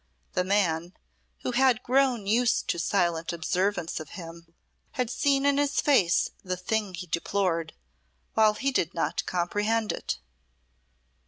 The man, who had grown used to silent observance of him, had seen in his face the thing he deplored, while he did not comprehend it.